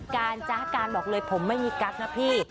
การจ๊ะการบอกเลยผมไม่มีกั๊กนะพี่